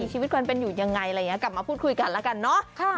ชีวิตความเป็นอยู่ยังไงอะไรอย่างนี้กลับมาพูดคุยกันแล้วกันเนาะ